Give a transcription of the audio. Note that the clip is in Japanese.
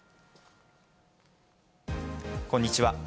こんにちは。